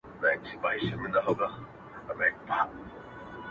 • په هر ځای کي نر او ښځي په ژړا وه,